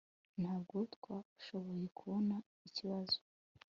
Ntabwo twashoboye kubona ikibazo